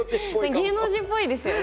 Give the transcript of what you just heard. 芸能人っぽいですよね。